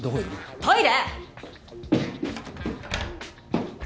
トイレ！